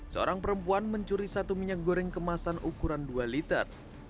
seorang perempuan mencuri satu minyak goreng kemasan ukuran dua liter